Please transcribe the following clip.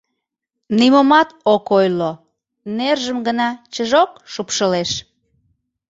Нимомат ок ойло, нержым гына чыжок шупшылеш.